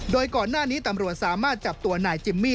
โดยก่อนหน้านี้ตำรวจสามารถจับตัวนายจิมมี่